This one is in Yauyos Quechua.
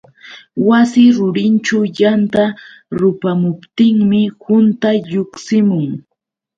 Wasi rurinćhu yanta rupamuptinmi quntay lluqsimun.